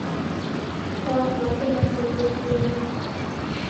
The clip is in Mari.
— Ала-кунам тыгай сай пырче ыле...